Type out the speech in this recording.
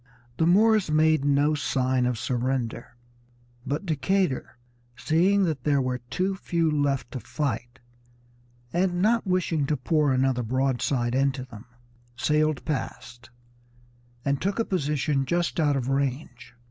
The Moors made no sign of surrender, but Decatur, seeing that there were too few left to fight, and not wishing to pour another broadside into them, sailed past, and took a position just out of range.